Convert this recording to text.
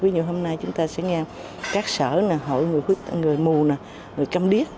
ví dụ hôm nay chúng ta sẽ nghe các sở hội người mù người căm điếc